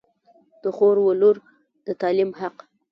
د خور و لور د تعلیم حق